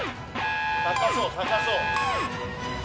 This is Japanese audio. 高そう高そう。